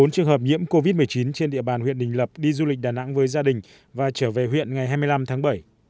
bốn trường hợp nhiễm covid một mươi chín trên địa bàn huyện đình lập đi du lịch đà nẵng với gia đình và trở về huyện ngày hai mươi năm tháng bảy